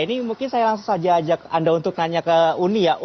ini mungkin saya langsung saja ajak anda untuk nanya ke uni ya